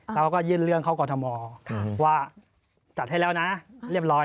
เขาก็ยื่นเรื่องเข้ากรทมว่าจัดให้แล้วนะเรียบร้อย